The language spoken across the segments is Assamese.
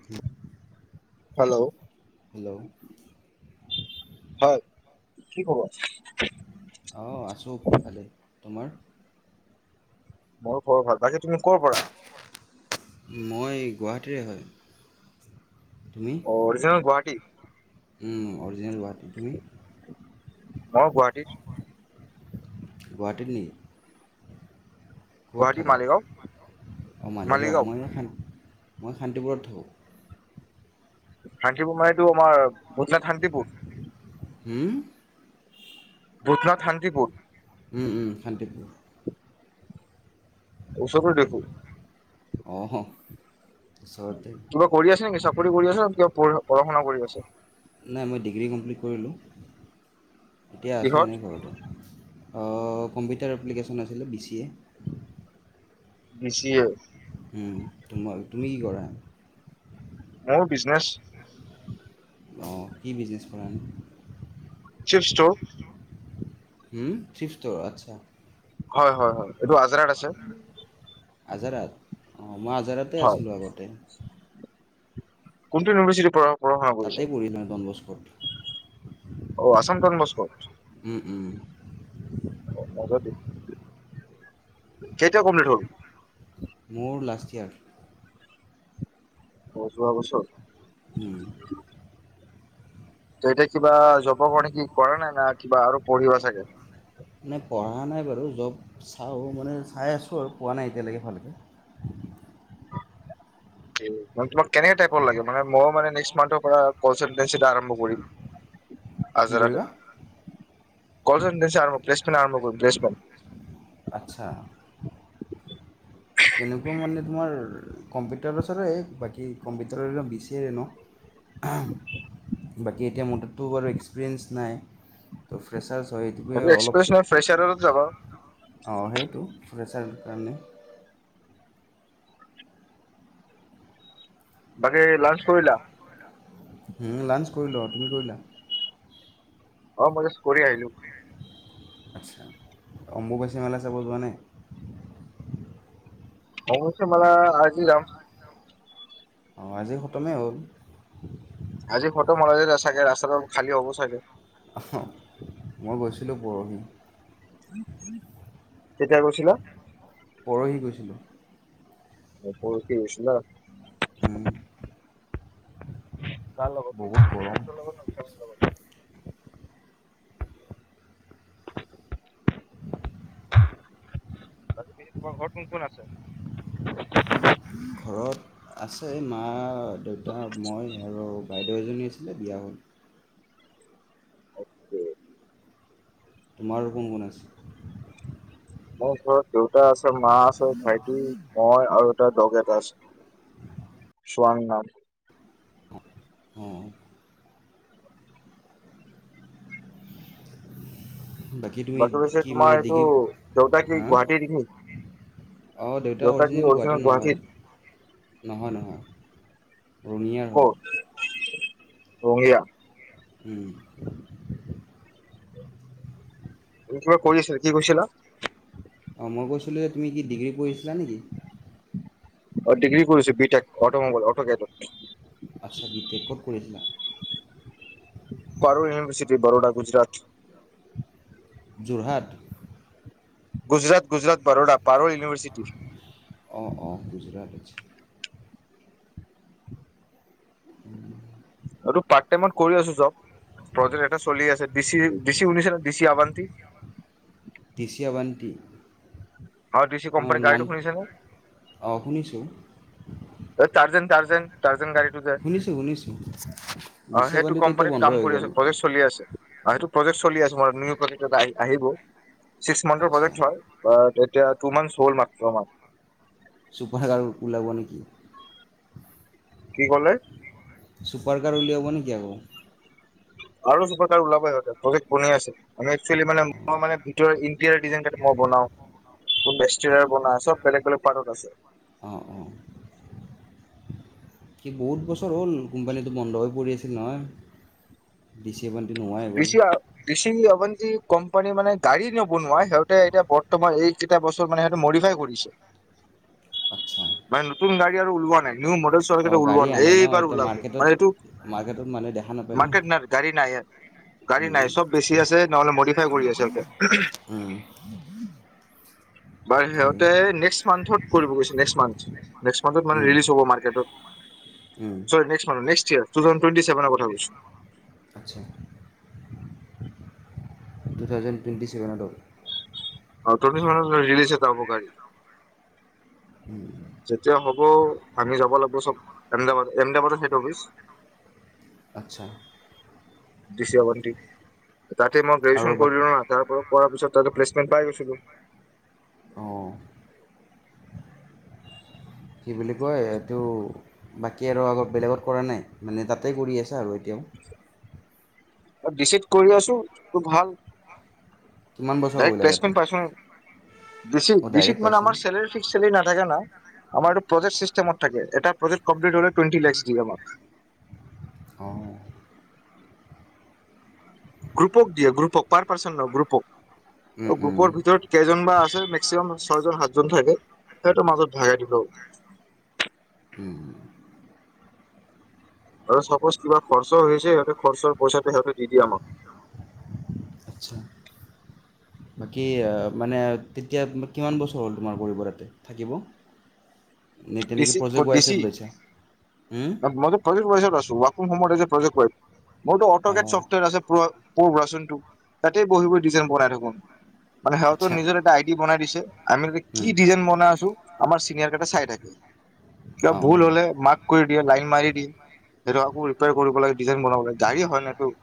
[unintelligible] হেল্ল'। হেল্ল'। হয় কি খবৰ? অ', আছো ভালেই তোমাৰ? মইও খবৰ ভাল বাকী তুমি ক'ৰ পৰা? মই গুৱাহাটীৰে হয় তুমি? অ অৰিজিনেল গুৱাহাটী। ওম অৰিজিনেল গুৱাহাটী তুমি? মইও গুৱাহাটীৰ। গুৱাহাটীৰ নেকি? ক'ত গুৱাহাটী থাকা? মালিগাঁও অ', মালিগাঁওৰ মালিগাঁও মইও শান মই শান্তিপুৰত থাকোঁ। শান্তিপুৰ মানে এইটো আমাৰ ভোটনাথ শান্তিপুৰ? হুম? ভুতনাথ শান্তিপুৰ। ওম ওম শান্তিপুৰ। ওচৰতে দেখোন। অহ হ'। কিবা কৰি আছে নেকি? চাকৰি কৰি আছে নে কিবা পঢ় পঢ়া শুনা কৰি আছে? নাই, মই ডিগ্ৰী কমপ্লিট কৰিলোঁ। এতিয়া আছোঁ কিহত? এনে ঘৰতে। অ কম্পিউটাৰ এপ্লিকেশ্যন আছিলে। B C A. B C A. ওম। তোমাৰ তুমি কি কৰা? মোৰ বিজনেজ। অ' কি বিজনেছ কৰা নো? Chips store. হুম চিপচ্ ষ্ট'ৰ। আচ্ছা হয় হয় হয়। এইটো আজাৰাত আছে। আজাৰাত? অ' মই আজৰাতে হয়। আছিলোঁ আগতে। কোনটো ইউনিভাৰ্চিতি পঢ়া? শুনা তাতে কৰিছা? পঢ়ি মই দনবস্কত। অ আছাম ডন বস্কো উম উম। কেতিয়া কমপ্লিট হ'ল? মোৰ লাষ্ট ইয়েৰ। অ' যোৱা বছৰত। উম। ত' এতিয়া কিবা জবৰ কাৰণে কি কৰা নাই নে কিবা আৰু পঢ়িব চাগে? মানে পঢ়া নাই বাৰু। জব চাওঁ, মানে চাই আছোঁ আৰু। পোৱা নাই এতিয়ালৈকে ভালকৈ তোমাক কেনে টাইপৰ লাগে? মানে মই মানে নেক্সত মন্থৰ পৰা কনচেট আৰম্ভ কৰিম। কি আজৰাতে কৰিবা কলচ [unintelligible] আৰম্ভ কৰিম [unintelligible] আচ্ছা। [unintelligible] কেনেকুৱা মানে তোমাৰ কম্পিউটাৰ পাছৰে। বাকী কম্পিউটাৰ বি চি এ ৰে ন? [inaudible] হাম বাকী এতিয়া মোৰ তাতটো বাৰু এক্সপিৰিয়েঞ্চ নাই। তো ফ্ৰেছাৰ্জ হয় সেইটো এনেই অলপ এক্সপ্ৰেছ ফ্ৰেচাৰতে যাবা অ'। সেইটো প্ৰেছাৰৰ কাৰণে। বাকী লাঞ্চ কৰিলা? লাঞ্চ কৰিলো আ। তুমি কৰিলা? অ' মই জাষ্ট কৰি আহিলো। আচ্ছা। অম্বুবাচী মেলা চাব যোৱা নাই? অশছে মা আজি ৰাম অ', আজি খতমেই হ'ল আজি ফটো মালাই চাগে ৰাস্তাটো খালী হ'ব চাগে মই গৈছিলো। পৰহি কেতিয়া কৈছিলা। পৰহি গৈছিলো। পৰঠ দিছ উম, ন কাল লগবত বহুত গৰম তমাৰ ঘৰ কোন কোন আছে। ঘৰত আছে মা দেউতা মই আৰু বাইদেউ দুয়জনী আছিলে বিয়া হ'ল তোমাৰো কোন কোন আছে। মোৰ ঘৰত দেউতা আছে মা আছে ভাইটি মই আৰু গেত আছে সোৱং নথ অ', বাকী তুমি পিছে কি তোমাৰ মানে এইটো দেগি দেউতা কি হা গুৱাহাটীৰ নেকি? অ', দেউোতা দেউতা কি অৰিজিনেল গুৱাহাটীৰ নহয়। গুৱাহাটীত নহয়, নহয়, ৰঙিয়াৰ হয়। ক'ত ৰঙিয়া উম', [unintelligible] কিবা কৰি আছিলা কি কৰিছিলা? অ', মই কৈছিলোঁ যে তুমি কি ডিগ্ৰী কৰিছিলা নেকি? আৰু ডিগ্ৰী কৰিছে বিটেক অটমোবাইল অট কেট আচ্ছা বি টেক ক'ত কৰিছিলা? প ইউনিভাৰ্চিট বৰোদা গুজৰাট যোৰহাট গুজৰাত, গুজৰাত, বৰৰা পাৰোল ইউননিভৰ্চিটি অ', অ, গুজৰাট। উম, এইটো পাৰ্ট টাইমত কৰি আছো। জব প্ৰজেক্ট এটা চলি আছে। [unintelligible] উশ দি আৱান্তি দৃশীয় বান্তি আৰু [unintelligible] কোম্পানীৰ গাড়ীটো শুনিছে নে অ', শুনিছো। অ', তাৰ্জন তাৰজন তাৰ্জন শুনিছোঁ শুনিছোঁ [unintelligible] অ', সেইটো দেশীয়াবান্তিটো এতিয়া কোম্পানীত বন্ধ কাম হৈ কৰি গ'ল আছে। প্ৰজেক্ট চলি আছে। অ', সেইটো প্ৰজেক্ট চলি আছো, ম নি প্ৰজেকট আহ আহিব ছিক্স মান্থৰ আচ্ছা প্ৰজেক্ট হয়। [inaudible] চুপাৰ হেকাৰ ওলাব নেকি? কি ক'লে? ছুপাৰ কাৰ উলিয়াব নেকি আকৌ আৰু চুফ কাৰো [unintelligible] আছে। আ একুৱেলি মানে মই মে ভিতৰত ইণ্টেৰিয়াৰ ডিজাইন ক মই বনাওঁ। খুব বেষ্টাৰ বনোৱা চব বেলেগ বেলেগ পাৰ্টত আছে। অ', অ, সি বহুত বস্তু [inaudible] [unintelligible] অভন্তি কোম্পানী মানে গাড়ী নবনোৱা সিহঁতে এতিয়া বৰ্তমান এই কেইটা বছৰ মানে সেইটো মডিফাই কৰিছে। আচ্ছা মানে নতুন গাড়ী আৰু ওলোৱা নাই, নিউ মডেল অঁ চৰক গাড়ী ওলোৱা নাই আনে ন এইবাৰ এতিয়া ওলাব মাৰ্কেটত মানে এইটো মাৰ্কেটত মানুহে দেখা নাপায় ন মাকত [unintelligible] [unintelligible] নাই গাড়ী নাই, চব বেছি আছে নহ'লে মডিফাই কৰি আছে ততে উম, বাৰ উম, সিহঁতে নেক্সট মান্থত কৰিব গৈছে নেক্স মান্থ নেকস মত উম, উম, মানেিজ হব মাৰ্টত উম। নে নেস ই [unintelligible] আচ্ছা, টু থউজেড টুৱেণ্টিভেনতল অ', [unintelligible] যাবব গা উম, যেতিয়া হ'ব আমি যাব লাগিব, চব এমদাবাদ এমদাবাদৰ হেড অফিচ আচ্ছা, [unintelligible] তাতে, মই আৰু গ্ৰেজুৱে্যন বাকী কৰিলো ন তাৰ পৰা কৰাৰ পিছত তাতে প্লেচমেণ্ট পাই গৈছিলো। অ', কি বুলি কয় এইটো বাকী আৰু আগ বেলেগত কৰা নাই, মানে তাতে কৰি আছে আৰু এতিয়াও [unintelligible] কৰি আছো খব ভাল অ', ডাইৰেক্ট প্লেচমেণ্ট পাইছে। অঁ ডাইৰেক্ট ৰিচি-ৰিচিপ মানে, পাইছা ন আমাৰ চেলাৰি ফিক্স চেলাৰি নাথাকে না, আমাৰটো প্ৰজেক্ট চিষ্টেমত থাকে। এটা প্ৰজেক্ট কমপ্লিট হ'লে টুৱেণ্টি লেক্স দিয়ে আমাক। অ'। গ্ৰুপক দিয়ে, গ্ৰুপক। পাৰ পাৰ্চন নহয়, গ্ৰুপক, উম, উম, গ্ৰুপৰ ভিতৰত কেইজন বা আছে, মেক্সিমাম ছয়জন সাতজন থাকে। সিহঁতৰ মাজত ভাগাই দিব। উম। আৰু চাপ'জ কিবা খৰচা হৈছে, সিহঁতে খৰচৰ পইচাটো সিহঁতে দি দিয়ে আমাক। আচ্ছা। বাকী, মানে, তেতিয়া কিমান বছৰ হ'ল তোমাৰ? কৰিব, তাতে থাকিব। নে তেনেকৈ বেছি প্ৰজেক্ট ক'ত বেছি। ৱাইজত লৈছা হুম? মইতো প্ৰজেক্ট ৱাইজত আছোঁ। ওৱাকম হম ত এজ এ প্ৰজেক্ট ৱাইজ। মোৰ টো অটগেট অঁ চফ্টৱেৰ আছে। প্ৰ পচনটো তো তে বহি বহি ডিজাইন বনাই থাকো। মানে সিহঁৰ আচ্ছা নিজৰ এটা আইি বনাই দিছে, আমি উম, কি ডিজাইন বনাই আছো আমাৰ চিনিয়ৰ কেটা চাই থাকে। কিবা অঁ ভুল হ'লে মাক কৰি দিয়ে লাইন মাৰি দিয়ে সেইটো আকৌ ৰিপয়াৰ কৰিব লাগে ডিজাইন বনাব লাগে। গাড়ী হয় ন এইটো।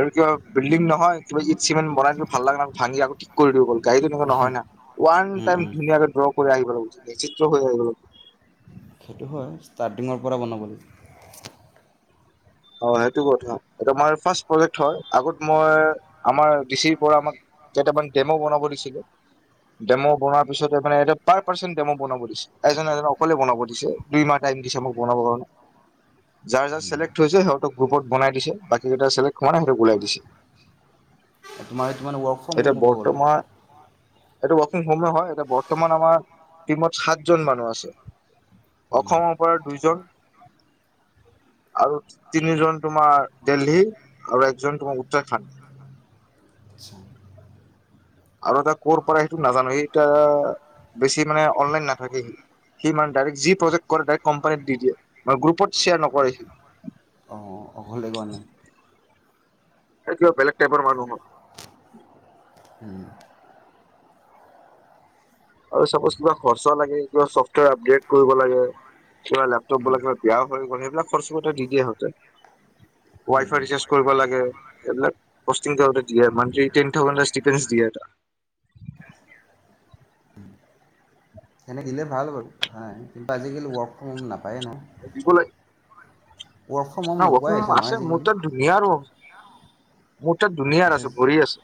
আৰু কিবা বিলডিং নহয় কিবা ইট চিমেণ বনাই দিলো ভাল লগা নাই ভাঙি আকৌ কৰি দিও বল গাড়ী তেনেকোৱা নহয় না, ওৱান উম, টাইম উম। ধুনীয়াকে ড্ৰ কৰি আহিব লাগিব। চিত্ৰ হৈ আহিব লাগে। সেইটো হয় ষ্টাৰ্টিঙৰ পৰা বনাবলৈ। অ', সেইটো কথা এটো মাৰ ফাৰ্ষ প্ৰজেক্ট হয় আগত মই আমাৰ ডিচিৰ পৰা আমাক কেইটামান ডেম' বনাব দিছিলে ডেম' বনাত পিছতে মানে, এইটো পাৰ পাৰ্চ মোক বনাব দিছে, এজন এজনক অকলে বনাব দিছে দুই মাহ টাইম দিছে মোক বনাব কাৰণে। যাৰ যাৰ চিলেক্ট হৈছে সিহঁতক গ্ৰুপত বনাই দিছে, বাকী কেইটা চিলেক্ট হোৱা নাই সিহঁক ওলাই দিছে। তোমাৰ এইটো মানে ৱৰ্ক ফ্ৰম হ'ম এতিয়া ক'ব গ'লে। বৰ্তমান এইটো ৱৰ্কিং হোমে হয় এতিয়া বৰ্তমান আমাৰ টিমত সাতজন মানুহ আছে। অসমৰ পৰা দুইজন। আৰু তিনিজন তোমাৰ দেল্হী আৰু একজন তোমাৰ উত্তৰাখণ্ড। আচ্ছা। আৰু এটা কৰ'ৰ পৰা সেইটো নাজানো। সেইটা বেছি মানে অনলাইন নাথাকে সি। সি মানে ডাইৰেক্ট যি প্ৰজেক্ট কৰে, ডাইৰেক্ট কম্পানীত দি দিয়ে মানে গ্ৰুপত চেয়াৰ নকৰে সি। অ', অকলে লোৱা নাই। এ কিবা বেলেগ টাইপৰ মানুহ হয়। উম। আৰু চাপজ কিবা খৰচা লাগে, কিবা চফ্টৱেৰ আপডেট কৰিব লাগে। কিবা লেপটপ বোলে কিবা বেয়া হৈ গল সেইবিলাক খৰচা বধৈ দি দিয়ে সিহঁতে। ৱাই ফাই ৰিচাৰ্জ কৰিব লাগে। এইবিলাক [unintelligible] দিয়ে। মানথলি টেন থাউজেণ্ড [unintelligible] দিয়ে এটা। তেনে দিলে ভাল বাৰু কথা নাই। কিন্তু আজিকালি ৱৰ্ক ফ্ৰম হোম নাপায়েই না ফ্ৰম হোম ৱৰ্ক নোপোৱাই ফ্ৰম হৈছে হোম নহয় আছে। মোৰ আজিকালি তাত দোনীয়াৰ মোৰ তাত দুনীয়াৰ আছে ভৰি আছে।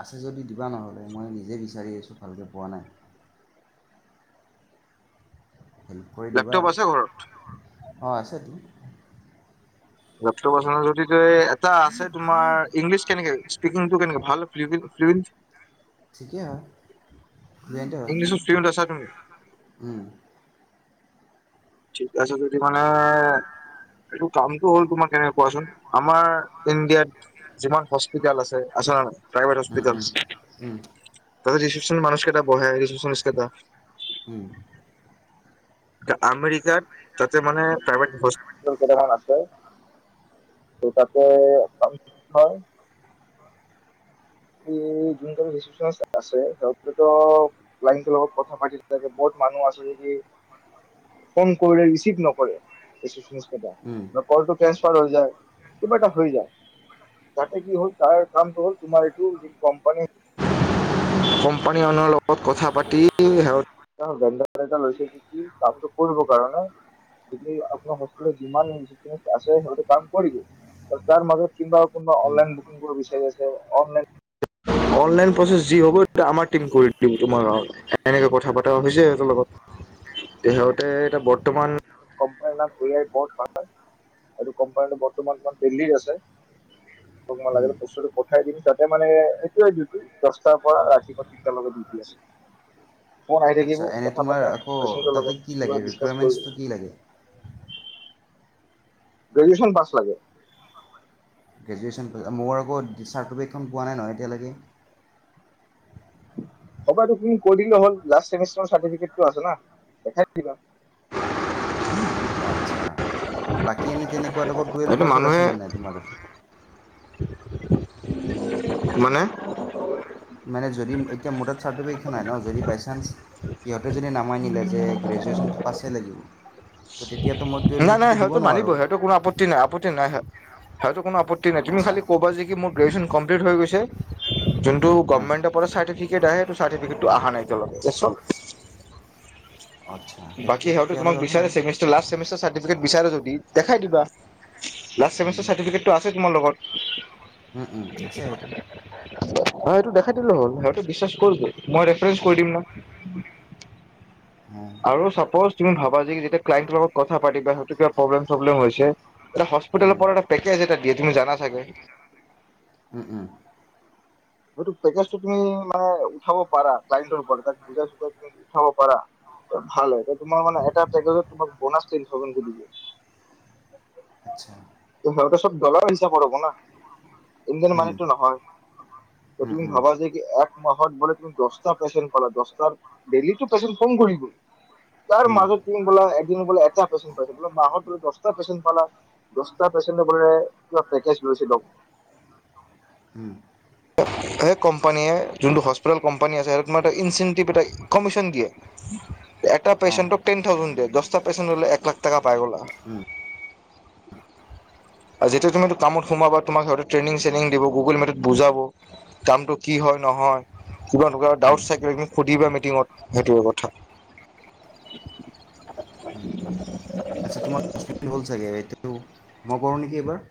আছে যদি দিবা নহ'লে, মই নিজে বিচাৰি আছোঁ ভালকে পোৱা নাই। হেল্প কৰি দিবা লেপটপ আছে ঘৰত আৰু অ' আছে টো। লেপটপ আচ যদি ত এটা আছে তোমাৰ ইংলিছ কেনেকে স্পিকিংটো কেনেকে ভাল ফ্লুৱেণট [inaudible] ঠিকে হয়, ফ্লুৱেণটে হয়। ইংলিছত ফ্লুৱেণ্ট আছা তুমি ঠিক আছে। যদি মানে এইটো কামটো হ'ল তোমাৰ কেনেকে কোৱাচোন আমাৰ ইণ্ডিয়াত যিমান হস্পিতেল আছে-আছে নে নাই প্ৰাইভেট হস্পিল। উম। তাতে ৰিচিপশনত মানস কেটা বহে, ৰিচিপশ্যনিষ্ট কেইটা। উম আমেৰিকাৰ তাতে মানে প্ৰাইভেট হ্প কেইটামান আছে সেই ততে ক হয় এই যোনকাল ু সং আছে সতো [unintelligible] লাইনৰ লগত কথা পাতি থাগে বহুত মানুহ আছে যেি ফোন কৰিলেচিভ নক কলটো্ৰসফাৰ হৈ যায় কিবা এটা হৈ যায় যাতে কি হ'ল তাৰ কামটো হল তোমাৰ কোম্পানী কোম্পানী মানুহৰ লগত কথা পাতি সিহঁত গোটা লৈছেটো কি কামটো কৰব কাৰণ যদি আপোনাৰ হেলত যিমান আছে সেই কাম কৰিব তাৰ মাজত কিা কোনোবা অনলাইন বুকিং কৰিব বিচাৰি আছে অনলাইন অনলাইন প্ৰচেছ যি হ'ব আমাৰ টম কৰি দিম তোমাৰ গাঁৱ এনেকে কথা পতা হৈছে সিহতৰ লগত সহঁতে এটা বৰ্তমান কোম্পানীৰ নাম এ আই বৰ্ এইটো কোম্পানীটো বৰ্তমান তমান দিল্লিত আছেই হয় লাগিলে বস্তু পঠাই দিম তাত মানে সটোয়ে ডিউটি দহটাৰ পৰা ৰাতিপুৱা তিনটাৰ লগত ডিউটি আছে মই আহি থাকিব আচ্ছা এনে কথা পা তোমাৰ আকৌ পেচেণ্ৰ তাতে কি লগত লাগে ক ডিচকা ৰিকুৱাৰমেণ্টছটো কৰি কি লাগে গ্ৰেজুয়েন পছ লাগে গ্ৰেজুৱেশ্যন মোৰ আকৌ চাৰ্টিফিকেটখন পোৱা নাই নহয় এতিয়ালৈকে হ'ব তুমি কৈ দিলে হলা দেখাই দিবা আচ্ছা বাকী এনেই তেনেকুৱাত আকৌ টুৱেলভ সেইটো পাছৰ মানুহে আছেনে নাই তোমাৰ তথা [unintelligible] মানে মানে যদি এতিয়া মোডাত চাৰ্টিফিক এইেইখন হয় ন যদি বাই চান্স সিহঁতে যদি নামাই নিলে যে গ্ৰেজুৱেশ্যনটো পাছেই লাগিব ত' তেতিয়াতো মই টুৱেল্ভ সেইটোতো দিব নোৱাৰোঁ আত্তি নাই আপত্তি ন সিহটোন আপত্তি নাই তুমি আচ্ছা খালি ক'বা যে কি মোৰ গ্ৰেজন কমপ্লট হৈ গৈছে যোনটো অঁ গটৰ চফ নল আচ্ছা সেইটো বাকী সিহঁতো তম তেতিয়াহ'লে কথা নাই চফ বিচাৰে যদি দেখাই দিবা লাষ্টাৰ চাৰ্টিফিকেট আছে তোমাৰ লগত আছে সটো অ এইটো দেখাই দিলো হ'ল সিহঁততে বিশ্বাস কৰ মই ৰেফাৰেঞ্চ কৰি দিম ন উম, আৰু চাপোজ তুমি ভাবা যে যেতিয়া ক্লায়ণ্টৰ লগত কথা পাতি বাা সেইটো কিব প্ৰব্লেম চব্লেম হৈছে এটা হস্পিটেলৰ উম, পৰা এটা পেকেজ এটা দিয়ে তুমি জানা চাগে উম উম সেইটো পেকেজটো তুমি মানে উঠাব পাৰা ক্লাইন্তৰ ওপৰত তাক বুজাই চুজাই তুমি উঠাব পাৰা ভাল হয় তোমাৰ মানে এটা পেকেজত তোমাক বনাছ টেন থাওজেণ্ড যে দিব আচ্ছা সিহঁতে চব ডলাৰৰ হিচাপৰ হ'ব না ইণ্ডিয়ান উম, মানিটো নহয় উম, তুমি উম, ভাবা যে কি এক মাহত বলে তুমি দছটা পেচেন্ত পালা দছটাৰ ডেইলি পেচেণ্ট কম কৰিব গৈ তাৰ মাজত তুমি বোলা এদিন বোলে এটা পেচেণ্ট পাইছা বোলে মাহত বোলে দছটা পেচেণ্ট পালা দছটা পেচেণ্টোৰে কিবা পেকেজ লৈছে দ হুম সেই কোম্পানীয়ে যোনটো হস্পিটেল কোম্পানী আছে সেইটো তোমাৰ এটা ইনচেণ্টিভ এটা কমিশ্যন দিয়ে এটা অঁ পেছেণ্টক টেন থাউজেণ্ড দে দহটা পেছেন্ত হলে এক লাখ টকা পাই গ'লা উম আৰু যেতিয়া তুমি টো কামত সোমাবা তোমাক হয়টো ট্ৰেইনিং চেইনিং দিব গুগল মেটত বুজাব কামটো কি হয় নহয় কিবা এনেকুৱা ডাউট থাকিলে সুধিবা মিটিঙত সেইটোৱে কথা আচ্ছা তোমাৰ দহ মিনিট হ'ল চাগে এইটো মই কৰোঁ নেকি এইবাৰ